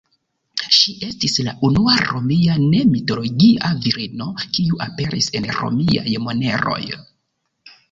Ŝi estis la unua Romia ne-mitologia virino kiu aperis en Romiaj moneroj.